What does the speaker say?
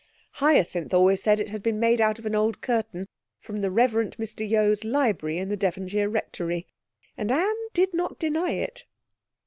Hyacinth always said it had been made out of an old curtain from the Rev Mr Yeo's library in the Devonshire Rectory, and Anne did not deny it.